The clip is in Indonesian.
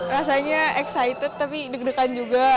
rasanya excited tapi deg degan juga